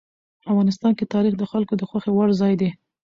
افغانستان کې تاریخ د خلکو د خوښې وړ ځای دی.